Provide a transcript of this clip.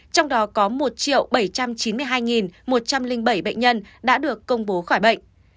trong đó có một bảy trăm chín mươi hai một trăm linh bảy bệnh nhân đã được công bố khỏi bệnh